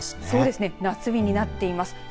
そうですね夏日になっています。